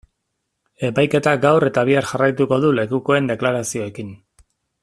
Epaiketak gaur eta bihar jarraituko du lekukoen deklarazioekin.